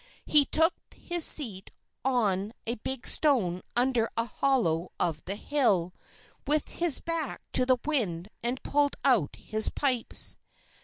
He took his seat on a big stone under a hollow of the hill, with his back to the wind, and pulled out his pipes.